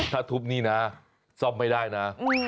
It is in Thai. ถ้าทุบนี่นะซ่อมไม่ได้นะ